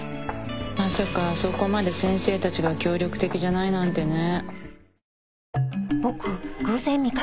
まさかあそこまで先生たちが協力的じゃないなんてね。